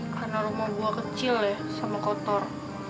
karena rumah buah kecil ya sama kotor